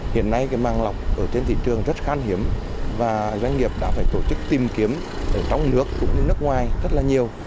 hiện nay cái mạng lọc ở trên thị trường rất khan hiếm và doanh nghiệp đã phải tổ chức tìm kiếm ở trong nước cũng như nước ngoài rất là nhiều